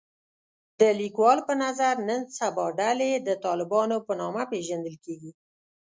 د لیکوال په نظر نن سبا ډلې د طالبانو په نامه پېژندل کېږي